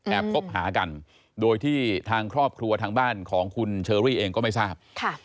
คบหากันโดยที่ทางครอบครัวทางบ้านของคุณเชอรี่เองก็ไม่ทราบ